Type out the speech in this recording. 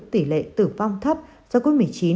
tỷ lệ tử vong thấp do covid một mươi chín